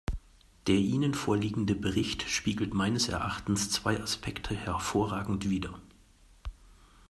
Der Ihnen vorliegende Bericht spiegelt meines Erachtens zwei Aspekte hervorragend wider.